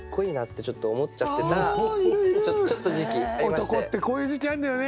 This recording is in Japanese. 男ってこういう時期あるんだよね。